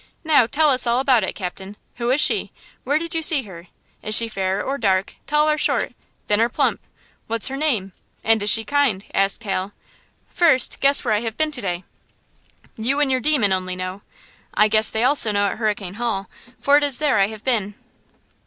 "Now tell us all about it, captain. Who is she? Where did you see her? Is she fair or dark; tall or short; thin or plump; what's her name, and is she kind?" asked Hal, "First, guess where I have been to day?" "You and your demon only know!" "I guess they also know at Hurricane Hall, for it is there I have been!"